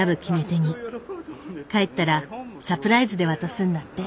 帰ったらサプライズで渡すんだって。